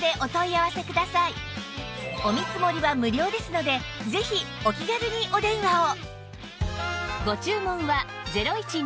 お見積もりは無料ですのでぜひお気軽にお電話を